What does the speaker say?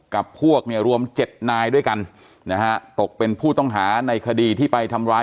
กับพวกเนี่ยรวม๗นายด้วยกันนะฮะตกเป็นผู้ต้องหาในคดีที่ไปทำร้าย